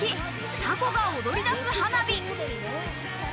たこが踊り出す花火。